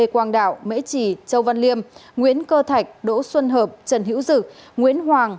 quang đạo mễ chỉ châu văn liêm nguyễn cơ thạch đỗ xuân hợp trần hữu dự nguyễn hoàng